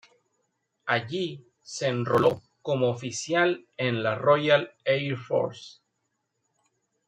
Allí se enroló como oficial en la Royal Air Force.